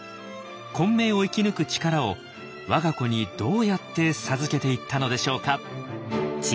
混迷を生き抜く力を我が子にどうやって授けていったのでしょうか。